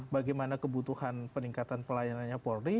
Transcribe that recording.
bagaimana kebutuhan peningkatan pelayanannya polri